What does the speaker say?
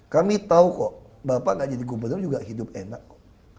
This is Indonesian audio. kami tahu kok bapak gak jadi gubernur juga hidup enak kok